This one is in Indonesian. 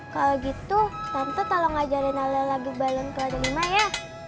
kalau gitu tante tolong ngajarin alia lagi balon keadaan lima ya